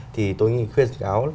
thì tôi khuyên khuyên áo